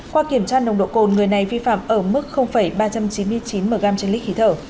qua kiểm tra nồng độ cồn người này vi phạm ở mức ba trăm chín mươi chín mg trên lít khí thở